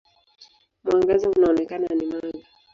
Mwangaza unaoonekana ni mag.